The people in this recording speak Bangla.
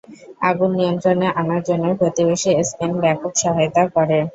আগুন নিয়ন্ত্রণে আনার জন্য প্রতিবেশী স্পেন ব্যাপক সহায়তা করে।